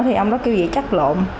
thì ông đó kêu gì chắc lộn